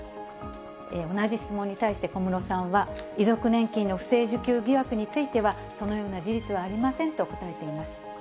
同じ質問に対して、小室さんは、遺族年金の不正受給疑惑については、そのような事実はありませんと答えています。